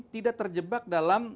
tidak terjebak dalam